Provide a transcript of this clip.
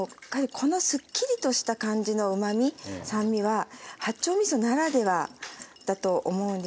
このすっきりとした感じのうまみ酸味は八丁みそならではだと思うんですね。